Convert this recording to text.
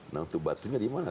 nah untuk batunya dimana